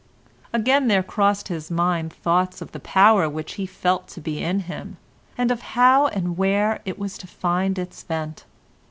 Again there crossed his mind thoughts of the power which he felt to be in him, and of how and where it was to find its vent.